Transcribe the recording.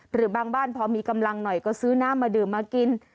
หรือบางบ้านพอมีกำลังหน่อยก็ซื้อน้ำมาดื่มมากิน